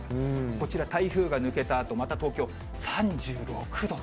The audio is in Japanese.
こちら、台風が抜けたあと、また東京３６度と。